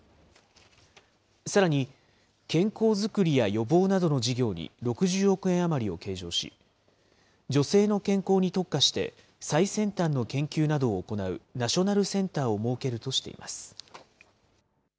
さらに、健康作りや予防などの事業に６０億円余りを計上し、女性の健康に特化して最先端の研究などを行うナショナルセンターを設けるとしています。